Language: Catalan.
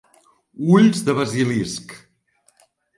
Ulls de basilisc.